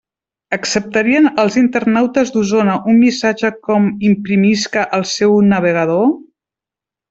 Acceptarien els internautes d'Osona un missatge com imprimisca al seu navegador?